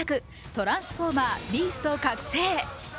「トランスフォーマー／ビースト覚醒」。